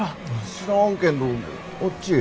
知らんけんどあっちへ。